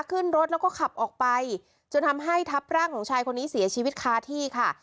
ขึ้นรถแล้วก็ขับออกไปจนทำให้ทับร่างของชายคนนี้เสียชีวิตคาที่ค่ะ